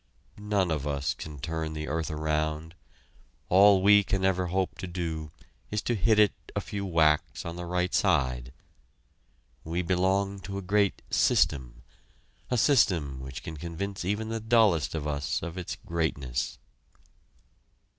None of us can turn the earth around; all we can ever hope to do is to hit it a few whacks on the right side. We belong to a great system; a system which can convince even the dullest of us of its greatness.